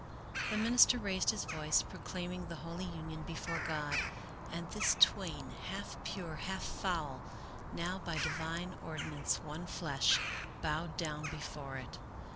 The minister raised his voice, proclaiming the holy union before God, and this twain, half pure, half foul, now by divine ordinance one flesh, bowed down before it.